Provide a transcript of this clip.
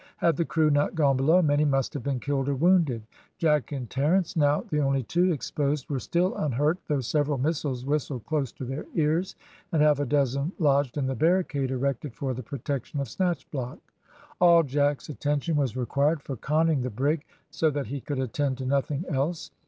Had the crew not gone below many must have been killed or wounded; Jack and Terence, now the only two exposed, were still unhurt, though several missiles whistled close to their ears, and half a dozen lodged in the barricade erected for the protection of Snatchblock. All Jack's attention was required for conning the brig, so that he could attend to nothing else.